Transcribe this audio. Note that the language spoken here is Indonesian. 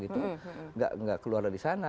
tidak keluar dari sana